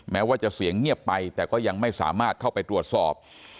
แม้ว่าจะเสียงเงียบไปแต่ก็ยังไม่สามารถเข้าไปตรวจสอบ